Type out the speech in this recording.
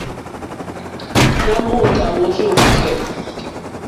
Nà m-ùtá wórzíwàkɛ́.